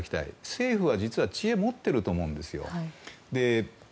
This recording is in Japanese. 政府は実は知恵を持っていると思うんですよ。